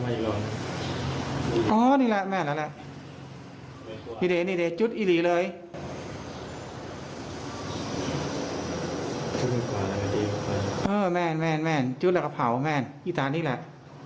เออแม่นจู๊ดลังคาเผาแม่นอีกตอนนี้แหละ